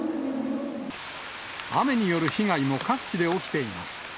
雨による被害も各地で起きています。